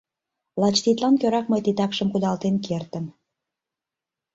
Лач тидлан кӧрак мый титакшым кудалтен кертым.